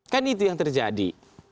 kan itu yang terjadi